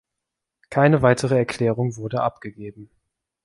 Keine weitere Erklärung wurde abgegeben.